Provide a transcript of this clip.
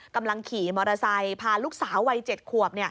กำลังขี่มอเตอร์ไซค์พาลูกสาววัย๗ขวบ